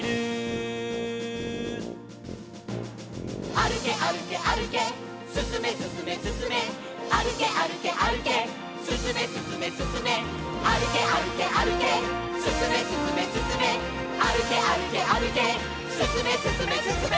「あるけあるけあるけすすめすすめすすめ」「あるけあるけあるけすすめすすめすすめ」「あるけあるけあるけすすめすすめすすめ」「あるけあるけあるけすすめすすめすすめ」